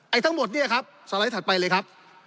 ทั้งหมดเนี่ยครับสไลด์ถัดไปเลยครับ